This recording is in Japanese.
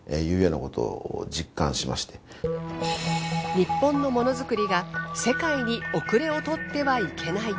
日本のモノづくりが世界に遅れを取ってはいけない。